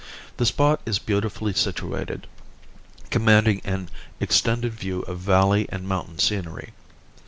The spot is beautifully situated, commanding an extended view of valley and mountain scenery.